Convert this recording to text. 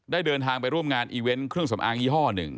เดินทางไปร่วมงานอีเวนต์เครื่องสำอางยี่ห้อหนึ่ง